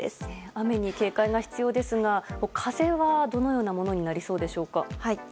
雨に警戒が必要ですが風はどのようなものになりますか。